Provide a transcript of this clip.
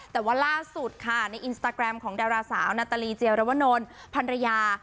แต่ว่าล่าสุดค่ะในอินสตาแกรมของดาราสาวนาตาลีเจียรวนลพันรยา